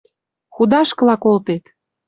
Худашкыла колтет!..